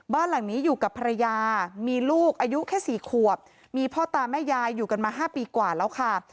บ้านหลังนี้อยู่กับภรรยามีลูกอายุแค่๔ขวบมีพ่อตาแม่ยายอยู่กันมา๕ปีกว่าแล้วค่ะ